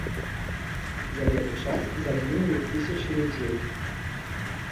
За гэты час загінулі тысячы людзей.